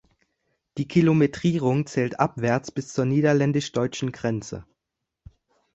Die Kilometrierung zählt abwärts bis zur niederländisch-deutschen Grenze.